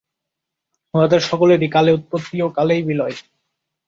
উহাদের সকলেরই কালে উৎপত্তি ও কালেই বিলয়।